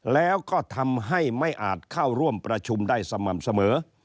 แล้วก็ทำให้ไม่อาจเข้าร่วมประชุมได้สม่ำเสมอ